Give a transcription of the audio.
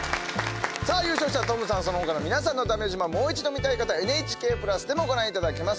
さあ優勝したトムさんそのほかの皆さんのだめ自慢もう一度見たい方ＮＨＫ＋でもご覧いただけます。